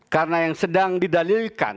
karena yang sedang didalilkan